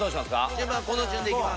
順番この順でいきます。